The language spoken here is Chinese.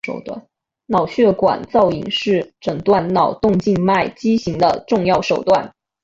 脑血管造影是诊断脑动静脉畸形的重要手段。